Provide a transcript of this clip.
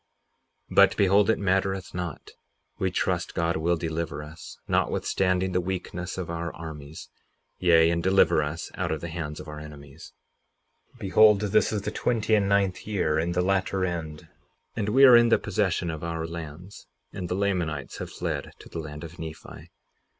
58:37 But, behold, it mattereth not—we trust God will deliver us, notwithstanding the weakness of our armies, yea, and deliver us out of the hands of our enemies. 58:38 Behold, this is the twenty and ninth year, in the latter end, and we are in the possession of our lands; and the Lamanites have fled to the land of Nephi.